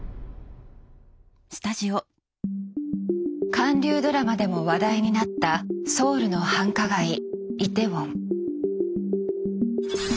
韓流ドラマでも話題になったソウルの繁華街イテウォン。